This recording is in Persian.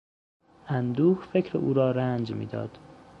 اندوه فکر او را رنج میداد.